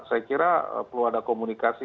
saya kira perlu ada komunikasi